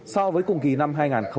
so với cùng kỳ năm hai nghìn một mươi tám